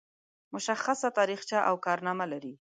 مشخصه تاریخچه او کارنامه لري.